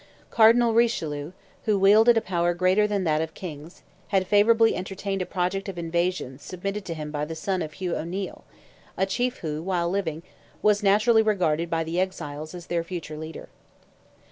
Cardinal Richelieu—who wielded a power greater than that of Kings—had favourably entertained a project of invasion submitted to him by the son of Hugh O'Neil, a chief who, while living, was naturally regarded by the exiles as their future leader.